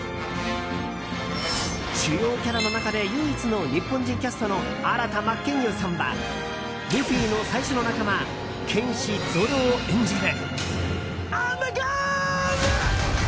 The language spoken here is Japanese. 主要キャラの中で唯一の日本人キャストの新田真剣佑さんはルフィの最初の仲間剣士ゾロを演じる。